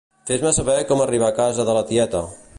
Fes-me saber com arribar a casa de la tieta.